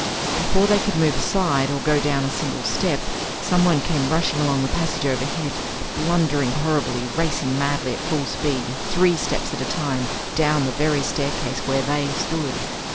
Before they could move aside, or go down a single step, someone came rushing along the passage overhead, blundering horribly, racing madly, at full speed, three steps at a time, down the very staircase where they stood.